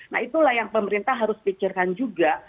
nah itulah yang pemerintah harus pikirkan juga